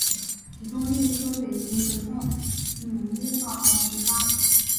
其中列车北行则在纽伦堡始发。